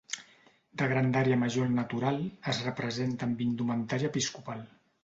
De grandària major al natural, es representa amb indumentària episcopal.